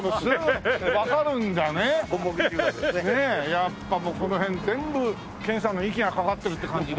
やっぱもうこの辺全部剣さんの息がかかってるって感じで。